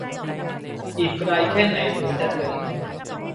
อีกไกลแค่ไหนถึงจะถึง